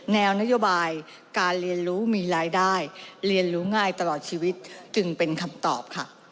แนวนโยบายการเรียนรู้มีรายได้เรียนรู้ง่ายตลอดชีวิตจึงเป็นคำตอบค่ะ